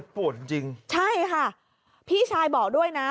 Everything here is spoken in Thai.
โปรดจริงค่ะพี่ชายบอกด้วยนะ